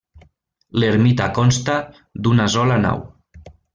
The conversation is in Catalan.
L'ermita consta d'una sola nau.